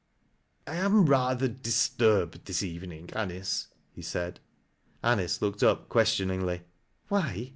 " I am rather disturbed this evening, Anice," he said. Anice looked up questioningly. " Why